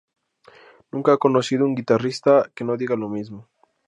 Nunca he conocido a un guitarrista que no diga lo mismo.